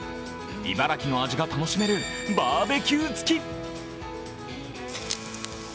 茨城の味が楽しめるバーベキュー付き。